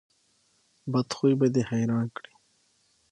بد خوی به دې حیران کړي.